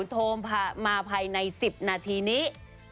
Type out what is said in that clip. ๐๒๑๒๖๓๐๐๐โทรมาภายใน๑๐นาทีนี้